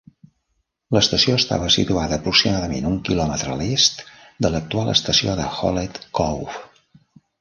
L'estació estava situada aproximadament un quilòmetre a l'est de l'actual estació de Hallett Cove.